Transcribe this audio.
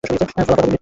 ফলাফল হবে মৃত্যু।